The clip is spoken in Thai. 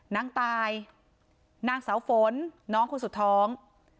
นางตายนางเสาฝนน้องคนสุดท้อง